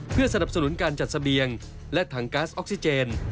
เพื่อสนับสนุนการจัดเสบียงและถังก๊าซออกซิเจน